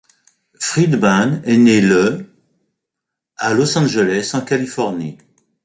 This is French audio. Freedman est né le à Los Angeles en Californie.